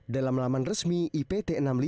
dalam laman resmi ipt enam puluh lima